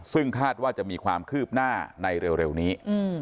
ซึ่งคาดว่าจะมีความคืบหน้าในเร็วนี้